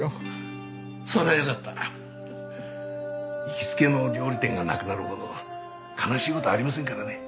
行きつけの料理店がなくなるほど悲しいことはありませんからね。